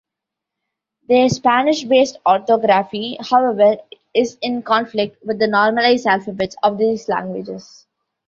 Their Spanish-based orthography, however, is in conflict with the normalized alphabets of these languages.